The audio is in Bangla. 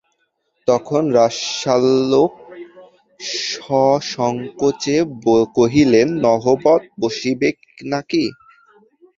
তখন রাজশ্যালক সসংকোচে কহিলেন, নহবত বসিবে না কি?